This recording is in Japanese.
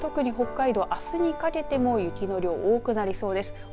特に北海道、あすにかけても雪の量、多くなりそうです。